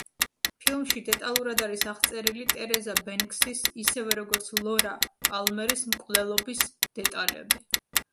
ფილმში დეტალურად არის აღწერილი ტერეზა ბენქსის, ისევე, როგორც ლორა პალმერის მკვლელობის დეტალები.